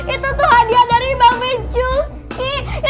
itu tuh hadiah dari bang benjoki